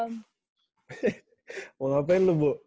mau ngapain lu bu